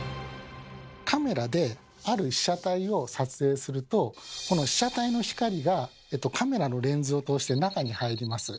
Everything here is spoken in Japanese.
カメラである被写体を撮影するとこの被写体の光がカメラのレンズを通して中に入ります。